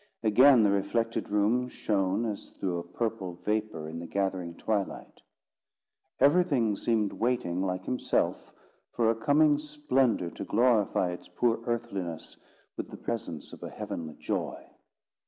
Again the reflected room shone as through a purple vapour in the gathering twilight. Everything seemed waiting like himself for a coming splendour to glorify its poor earthliness with the presence of a heavenly joy.